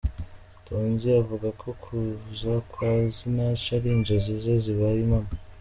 Tonzi avuga ko kuza kwa Sinach ari inzozi ze zibaye impamo.